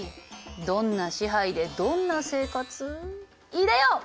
どんな支配でどんな生活いでよ！